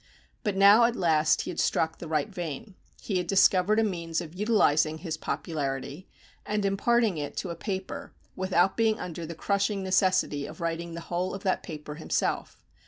But now at last he had struck the right vein. He had discovered a means of utilizing his popularity, and imparting it to a paper, without being under the crushing necessity of writing the whole of that paper himself.